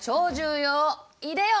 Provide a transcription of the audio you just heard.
いでよ！